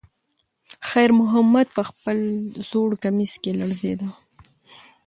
خیر محمد په خپل زوړ کمیس کې لړزېده.